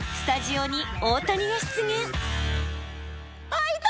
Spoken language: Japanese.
あっいた！